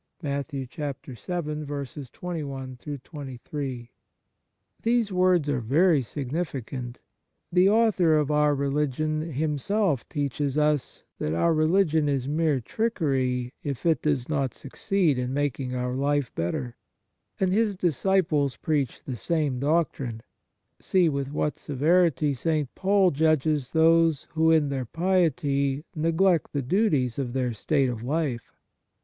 "* These words are very significant ; the Author of our religion Himself teaches us that our religion is mere trickery, if it does not succeed in making our life better. And His disciples preach the same doctrine. See with what severity St. Paul judges those who, in their piety, neglect the duties of their state of life.